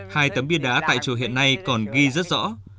hai tấm bia đá tại chùa hiện nay còn ghi rất rõ